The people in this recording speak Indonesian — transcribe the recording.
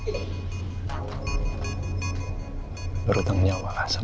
alamat yang menyerahkan saya